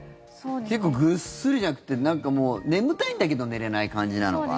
結構ぐっすりじゃなくてなんかもう眠たいんだけど寝れない感じなのかな？